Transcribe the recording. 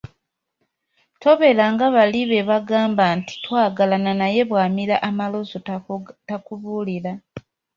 Tobeera nga bali be bagamba nti, “Twagalana naye nga bwamira amalusu takubuulira”.